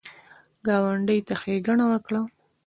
ګاونډي ته ښېګڼه وکړه